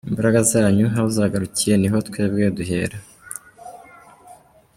Imbaraga zanyu aho zagarukiye niho twebwe duhera.